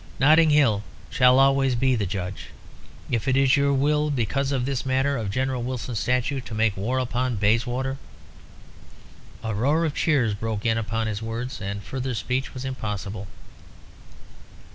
Notting Hill shall always be the judge. If it is your will because of this matter of General Wilson's statue to make war upon Bayswater " A roar of cheers broke in upon his words, and further speech was impossible.